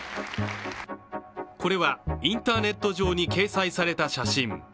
これは、インターネット上に掲載された写真。